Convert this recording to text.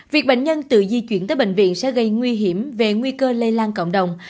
việc bệnh nhân tự di chuyển tới bệnh viện sẽ gây nguy hiểm về nguy cơ lây lan cộng đồng